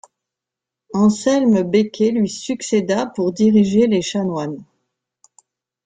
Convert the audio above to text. Anselme Beke lui succéda pour diriger les chanoines.